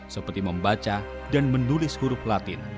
seperti membaca dan menulis huruf latin